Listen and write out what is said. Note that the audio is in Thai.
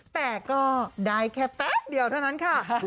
แต่ก็ได้แค่แป๊บเดียวเท่านั้นค่ะ